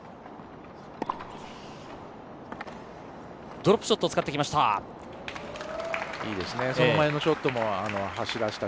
ドロップショットを使ってきました。